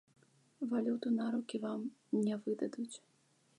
Валюту на рукі вам не выдадуць!